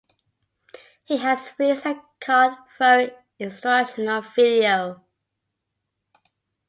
He has released a card-throwing instructional video.